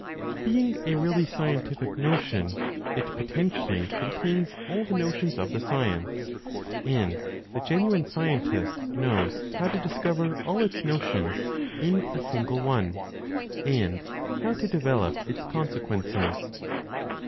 Being a really scientific notion, it potentially contains all the notions of the science; and the genuine scientist knows how to discover all its notions in a single one, and how to develop its consequences.